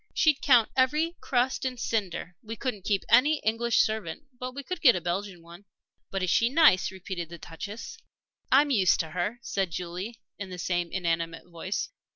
She'd count every crust and cinder. We couldn't keep any English servant; but we could get a Belgian one." "But is she nice?" repeated the Duchess. "I'm used to her," said Julie, in the same inanimate voice.